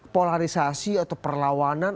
polarisasi atau perlawanan